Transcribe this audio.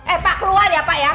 eh pak keluar ya pak ya